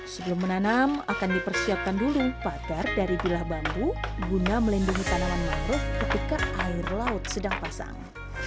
sebelum menanam akan dipersiapkan dulu pagar dari bilah bambu guna melindungi tanaman mangrove ketika air laut sedang pasang